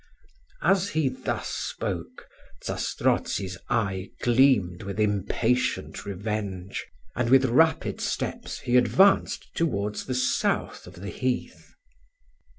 As he thus spoke, Zastrozzi's eye gleamed with impatient revenge; and, with rapid steps, he advanced towards the south of the heath.